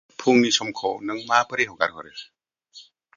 फुंनि समखौ नों माबोरै हगार हरो?